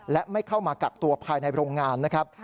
และไม่เข้ามากักตัวภายในโรงงานนะครับ